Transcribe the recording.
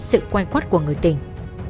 sự quay quát của người tình